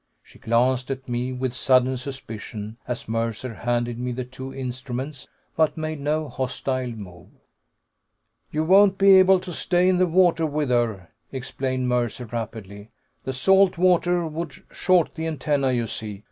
She glanced at me with sudden suspicion as Mercer handed me the two instruments, but made no hostile move. "You won't be able to stay in the water with her," explained Mercer rapidly. "The salt water would short the antennae, you see.